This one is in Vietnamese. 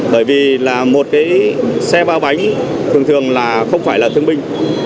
bởi vì là một cái xe ba bánh thường thường là không phải là thương binh